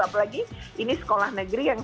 apalagi ini sekolah negeri yang